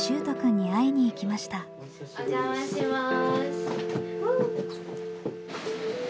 お邪魔します。